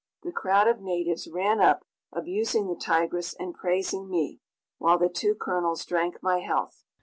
The crowd of natives ran up, abusing the tigress and praising me, while the two colonels drank my health.